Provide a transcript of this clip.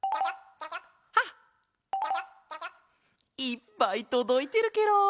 いっぱいとどいてるケロ！